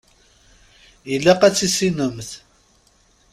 Ilaq ad tt-tissinemt.